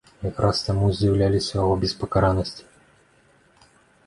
Якраз таму здзіўляліся яго беспакаранасці.